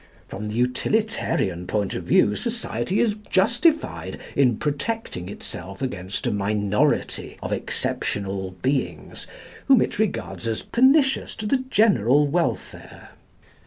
From the utilitarian point of view, society is justified in protecting itself against a minority of exceptional beings whom it regards as pernicious to the general welfare.